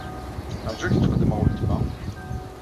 Ṛju ad ak-d-qeddmeɣ weltma.